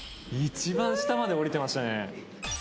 一番下まで降りてましたね。